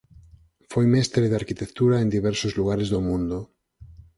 Foi mestre de arquitectura en diversos lugares do mundo.